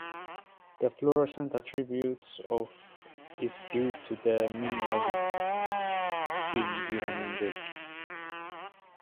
The fluorescent attribute of is due to the mineral being uranium based.